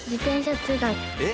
えっ？